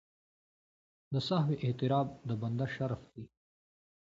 د سهوې اعتراف د بنده شرف دی.